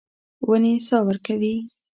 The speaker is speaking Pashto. ونې سا ورکوي.